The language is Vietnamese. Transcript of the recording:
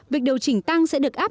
việc điều chỉnh tăng sẽ được áp